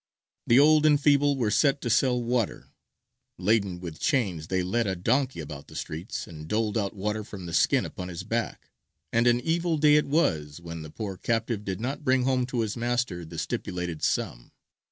The old and feeble were set to sell water; laden with chains, they led a donkey about the streets and doled out water from the skin upon his back; and an evil day it was when the poor captive did not bring home to his master the stipulated sum.